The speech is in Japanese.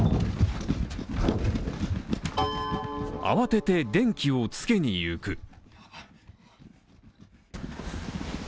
慌てて電気をつけにいく。